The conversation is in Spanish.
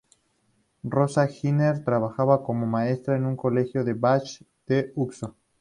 Rosa Giner trabajaba como maestra en un colegio de Vall de Uxó.